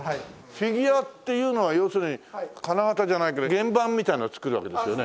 フィギュアっていうのは要するに金型じゃないけど原版みたいなのを作るわけですよね。